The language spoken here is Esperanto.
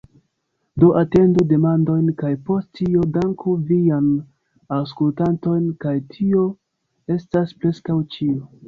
Do atendu demandojn kaj post tio danku vian aŭskutlantojn kaj tio estas preskaŭ ĉio